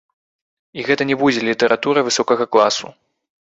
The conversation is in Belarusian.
Гэта не будзе літаратура высокага класу.